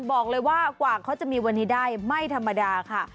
บอกเลยว่ากว่าเขาจะมีวันนี้ได้ไม่ธรรมดาค่ะ